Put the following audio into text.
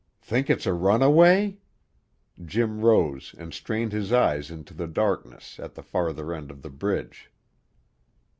"Think it's a runaway?" Jim rose and strained his eyes into the darkness at the farther end of the bridge.